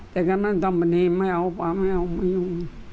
แต่งั้นมันเธอมาเนมไม่เอาปากไม่เอาทฤษฐ้า